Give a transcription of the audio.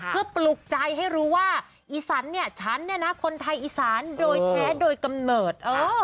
เพื่อปลุกใจให้รู้ว่าอีสานเนี่ยฉันเนี่ยนะคนไทยอีสานโดยแท้โดยกำเนิด